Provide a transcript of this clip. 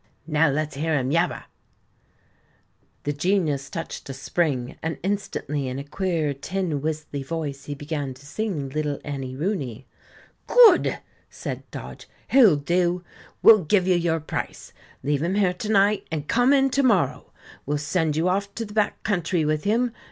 "Now let's hear him yabber." The Genius touched a spring, and instantly, in a queer, tin whistly voice, he began to sing, "Little Annie Rooney". "Good!" said Dodge; "he'll do. We'll give you your price. Leave him here to night, and come in to morrow. We'll send you off to the back country with him.